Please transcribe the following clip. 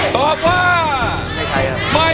ตอบว่าไม่ใช่